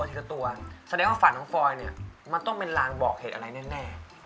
เสร็จงั้นฝันของฟลอยต้องเป็นลางบอกเผ็ดอะไรแน่